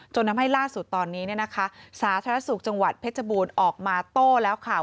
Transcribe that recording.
ทำให้ล่าสุดตอนนี้สาธารณสุขจังหวัดเพชรบูรณ์ออกมาโต้แล้วค่ะ